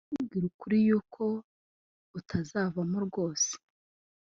Ndakubwira ukuri yuko utazavamo rwose